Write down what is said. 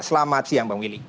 selamat siang bang willy